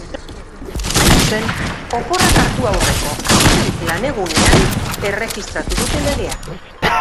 Hain zuzen, oporrak hartu aurreko azken lanegunean erregistratu dute legea.